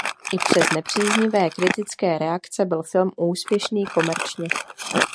I přes nepříznivé kritické reakce byl film úspěšný komerčně.